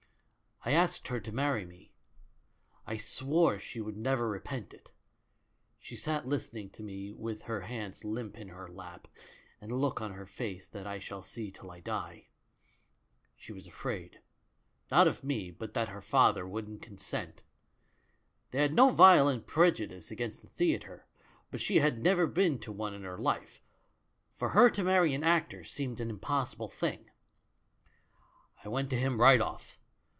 "I asked her to marry me. I swore she should never repent it. She sat listening to me with her hands limp in her lap, and a look on her face that I shall see till I die. She was afraid — not of me, but that her father wouldn't consent. They had no violent prejudice against the theatre, but she had never been to one in her life; for her to marry an actor seemed an impossible thing. "I went to him right off.